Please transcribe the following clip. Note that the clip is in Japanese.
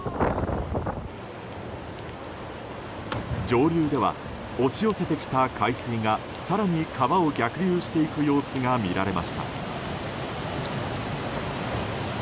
上流では、押し寄せてきた海水が更に川を逆流していく様子が見られました。